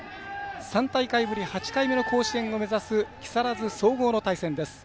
３大会ぶり８回目の甲子園を目指す木更津総合の対戦です。